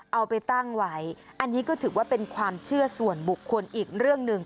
เอาไปตั้งไว้อันนี้ก็ถือว่าเป็นความเชื่อส่วนบุคคลอีกเรื่องหนึ่ง